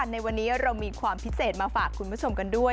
ในวันนี้เรามีความพิเศษมาฝากคุณผู้ชมกันด้วย